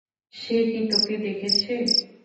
সে কি তোকে দেখেছে?